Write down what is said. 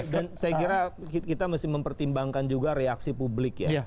dan saya kira kita mesti mempertimbangkan juga reaksi publik ya